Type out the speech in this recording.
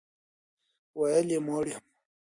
ویل یې موړ یم.